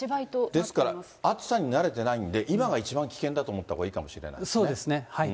ですから暑さに慣れてないんで、今が一番危険だと思ったほうがいいかもしれないですね。